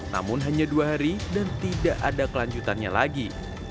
namun hanya dua hari dan tidak ada kelanjutannya lagi